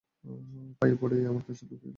পায়ে পড়ি, আমার কাছে লুকিয়ো না।